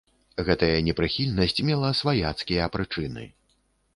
Гэтая непрыхільнасць мела сваяцкія прычыны.